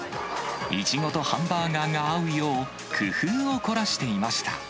イチゴとハンバーガーが合うよう、工夫を凝らしていました。